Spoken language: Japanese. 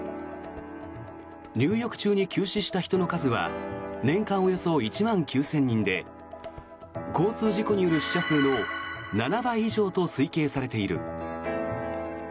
入浴中に急死した人の数は年間およそ１万９０００人で交通事故による死者数の７倍以上と推計されている。